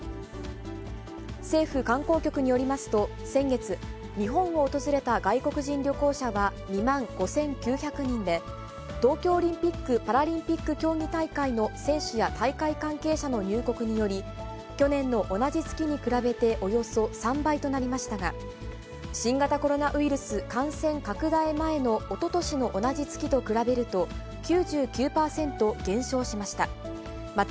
政府観光局によりますと、先月、日本を訪れた外国人旅行者は２万５９００人で、東京オリンピック・パラリンピック競技大会の選手や大会関係者の入国により、去年の同じ月に比べておよそ３倍となりましたが、新型コロナウイルス感染拡大前のおととしの同じ月と比べると、９９％減少しました。